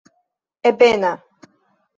ebena